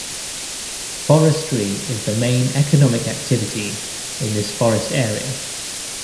Forestry is the main economic activity in this forest area.